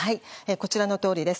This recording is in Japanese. こちらのとおりです。